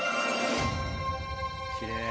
きれい。